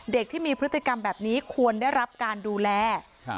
ที่มีพฤติกรรมแบบนี้ควรได้รับการดูแล